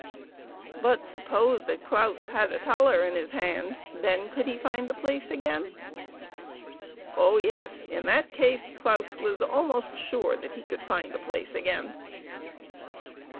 But suppose that Claus had a thaler in his hand, then could he find the place again ? CLAUS AND NTS WONDERFUL STAFF. Oh yes ; in that case Claus was almost sure that he could find the place again.